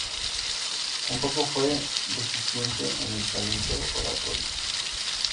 Tampoco fue deficiente en el talento oratorio.